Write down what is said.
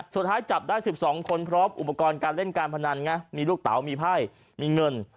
สุดท้ายจับได้๑๒คนพร้อมอุปกรณ์การเล่นการพนันไงมีลูกเต๋ามีไพ่มีเงิน